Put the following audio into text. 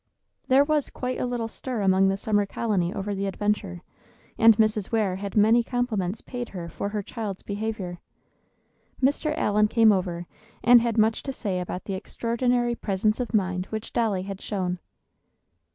There was quite a little stir among the summer colony over the adventure, and Mrs. Ware had many compliments paid her for her child's behavior. Mr. Allen came over, and had much to say about the extraordinary presence of mind which Dolly had shown.